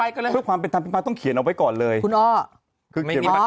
เผื่อความเป็นธรรมนิมรรมต้องเขียนเอาไว้ก่อนเลยคุณอ้อ